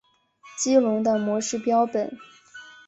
激龙的模式标本。